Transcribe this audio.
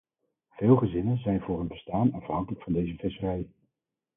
Veel gezinnen zijn voor hun bestaan afhankelijk van deze visserij.